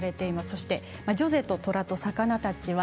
そして「ジョゼと虎と魚たち」は